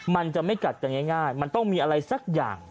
มันจะไม่กัดกันง่ายมันต้องมีอะไรสักอย่าง